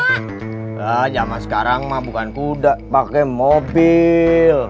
yaaah jamaah sekarang mbak bukan kuda pake mobil